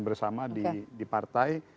langkahnya akan didiskusikan bersama di partai